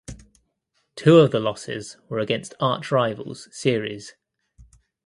Two of the losses were against archrivals Ceres.